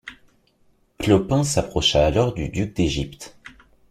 Clopin s’approcha alors du duc d’Égypte.